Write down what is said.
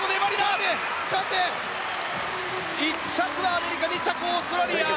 １着はアメリカ２着、オーストラリア。